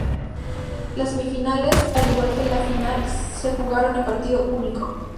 Las semifinales al igual que la final se jugaron en partido único.